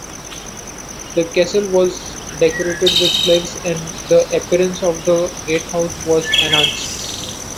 The castle was decorated with flags and the appearance of the gatehouse was enhanced.